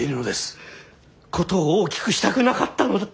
事を大きくしたくなかったのだ。